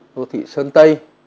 đô thị sơn tây